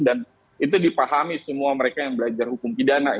dan itu dipahami semua mereka yang belajar hukum pidana ya